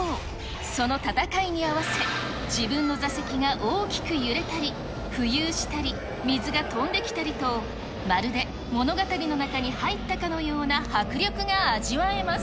その戦いに合わせ、自分の座席が大きく揺れたり、浮遊したり、水が飛んできたりと、まるで物語の中に入ったかのような迫力が味わえます。